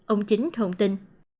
ông chính thông tin